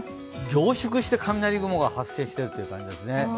凝縮して雷雲が発生している感じですね。